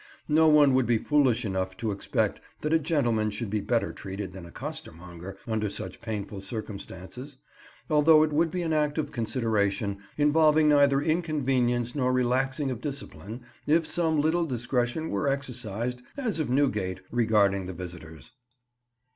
No one would be foolish enough to expect that a gentleman should be better treated than a costermonger under such painful circumstances, although it would be an act of consideration, involving neither inconvenience nor relaxation of discipline, if some little discretion were exercised, as at Newgate, regarding the visitors.